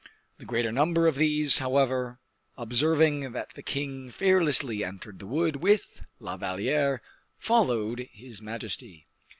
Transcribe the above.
The greater number of these, however, observing that the king fearlessly entered the wood with La Valliere, followed his majesty.